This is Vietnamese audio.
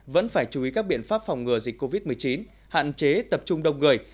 vẫn phải chú ý các biện pháp phòng ngừa dịch covid một mươi chín hạn chế tập trung đông người